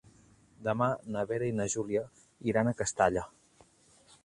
Demà na Vera i na Júlia iran a Castalla.